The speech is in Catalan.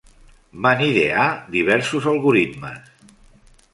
Van idear diversos algoritmes.